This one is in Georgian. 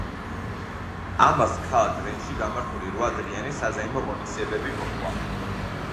ამას ქალაქ რენში გამართული რვა დღიანი საზეიმო ღონისძიებები მოჰყვა.